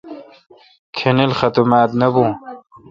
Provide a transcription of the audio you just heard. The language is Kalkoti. کھانیل ختم آت نہ بھون۔